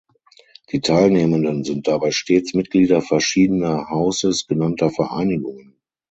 Die Teilnehmenden sind dabei stets Mitglieder verschiedener "Houses" genannter Vereinigungen.